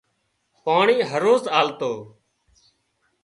پاڻي هروز آلتو